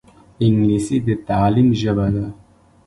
انګلیسي د تعلیم ژبه ده